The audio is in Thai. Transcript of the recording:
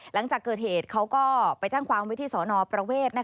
หลังจากเกิดเหตุเขาก็ไปแจ้งความไว้ที่สนประเวท